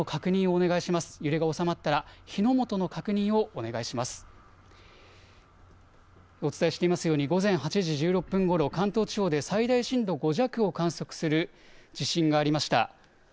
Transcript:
お伝えしていますように午前８時１６分ごろ、関東地方で最大震度５弱を観測する地震がありました。